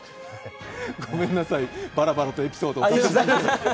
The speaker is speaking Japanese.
ごめんなさい、バラバラとエピソードを最初に聞いて。